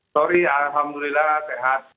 sorry alhamdulillah sehat